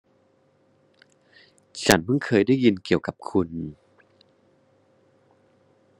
ฉันพึ่งเคยได้ยินเกี่ยวกับคุณ